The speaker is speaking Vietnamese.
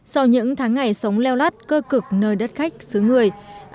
sau những tháng ngày sống leo lát cơ cực nơi đất khách xứ người